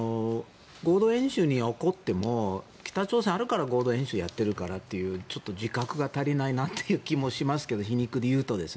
合同演習に怒っても北朝鮮があるから合同演習をやっているからっていう自覚が足りないかなという気もしますが皮肉で言うと。